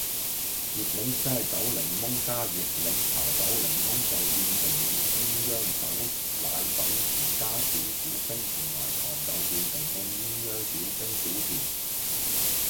熱檸啡走檸檬加熱檸茶走檸檬就變成熱鴛鴦走奶走甜，加少少冰同埋糖就變成凍鴛鴦少冰少甜